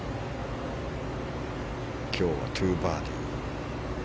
今日は２バーディー。